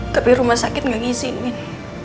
tapi rumah sakit gak izinin